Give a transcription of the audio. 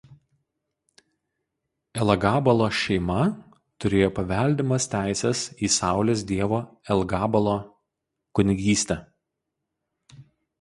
Elagabalo šeima turėjo paveldimas teises į saulės dievo El–Gabalo kunigystę.